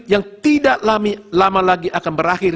yang tidak lama lagi akan berakhir